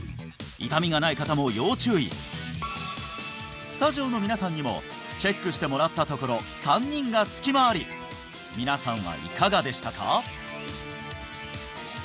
痛みがない方も要注意スタジオの皆さんにもチェックしてもらったところ３人が隙間あり皆さんはいかがでしたか？